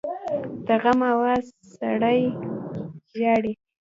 د غم آواز سړی ژاړي